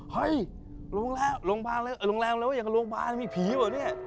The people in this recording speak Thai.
เฮ้ยลงแล้วลงบ้านละลงแล้วเนี่ยลงบ้านมีผีบ่นเนี่ย